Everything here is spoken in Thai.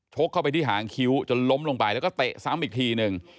กเข้าไปที่หางคิ้วจนล้มลงไปแล้วก็เตะซ้ำอีกทีหนึ่ง